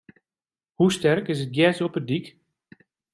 Hoe sterk is it gjers op de dyk?